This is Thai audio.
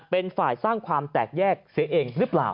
เป็นฝ่ายสร้างความแตกแยกเสียเองหรือเปล่า